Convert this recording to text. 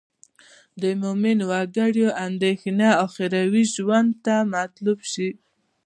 د مومن وګړي اندېښنه اخروي ژوند ته معطوف شي.